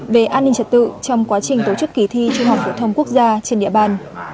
về an ninh trật tự trong quá trình tổ chức kỳ thi trung học phổ thông quốc gia trên địa bàn